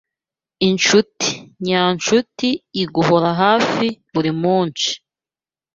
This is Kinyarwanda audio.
inshuti. Nyanshuti iguhora hafi buri munshi